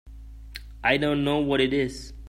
I don't know what it is.